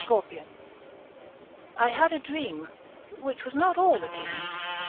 7 Autoplay I had a dream, which was not all a dream.